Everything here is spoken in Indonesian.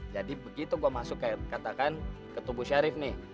jadi begitu gue masuk ke katakan ketubuh syarif nih